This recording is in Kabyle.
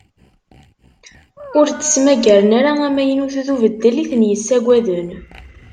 Ur d-ttmaggaren ara amaynut d ubeddel i ten-yessaggaden.